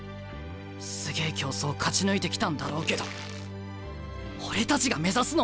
すげえ競争勝ち抜いてきたんだろうけど俺たちが目指すのはプロだろ！